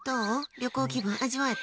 旅行気分、味わえた？